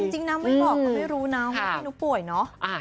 จริงนะไม่บอกก็ไม่รู้นะว่าพี่นุ๊กป่วยเนอะ